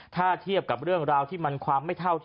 ถ้าเทียบกับเรื่องราวที่มันความ